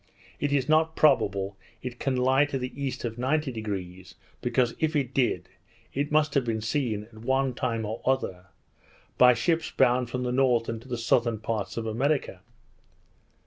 It is not probable it can lie to the east of 90°; because if it did, it must have been seen, at one time or other, by ships bound from the northern to the southern parts of America.